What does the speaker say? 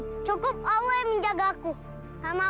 cukup awal yang menjagaku